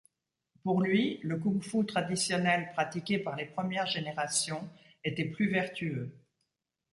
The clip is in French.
Pour lui, le kung-fu traditionnel pratiqué par les premières générations était plus vertueux.